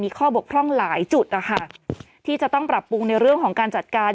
ข้อบกพร่องหลายจุดนะคะที่จะต้องปรับปรุงในเรื่องของการจัดการ